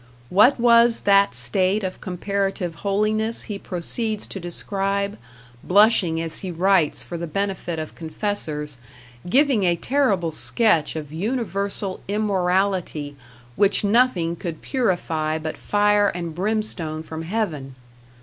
What was that state of comparative holiness he proceeds to describe, blushing as he writes, for the benefit of confessors, giving a terrible sketch of universal immorality which nothing could purify but fire and brimstone from heaven.